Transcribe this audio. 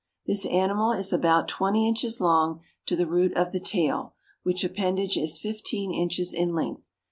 This animal is about twenty inches long to the root of the tail, which appendage is fifteen inches in length.